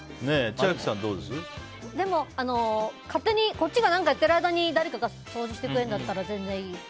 でも勝手にこっちが何かやってる間に誰かが掃除してくれるんだったら全然いい。